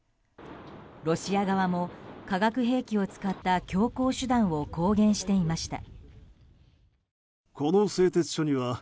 ロシア側も化学兵器を使った強硬手段を公言していました。